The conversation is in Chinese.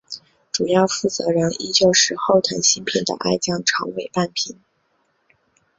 主要负责人依旧是后藤新平的爱将长尾半平。